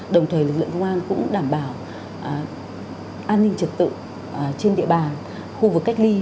đồng thời lực lượng công an cũng đảm bảo an ninh trật tự trên địa bàn khu vực cách ly